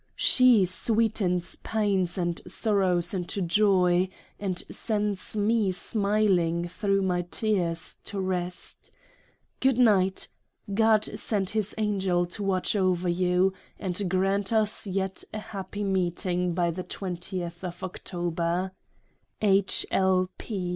She sweetens Pains and Sorrows into Joy, and sends me smiling (thro' my Tears) to Rest. Good Night !— God send his Angel to watch over you, and grant us yet a happy meeting by the 20th of Octr. H. L.